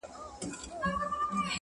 • که نقاب پر مخ نیازبینه په مخ راسې,